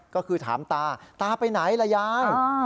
ก็คือถามตาตาไปไหนล่ะยาย